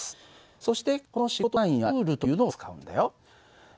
そしてこの仕事の単位はＪというのを使うんだよ。